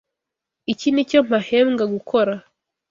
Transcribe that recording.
Iki nicyo mpahembwa gukora.